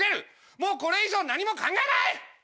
もうこれ以上何も考えない！